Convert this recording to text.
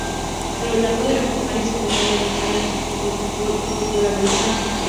A lo largo de la primaria y secundaria, González jugó fútbol y fútbol americano.